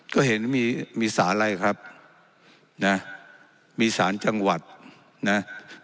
ก็เห็นมีสารอะไรครับนะมีสารจังหวัดนะ